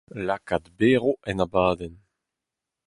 lakaat berv en abadenn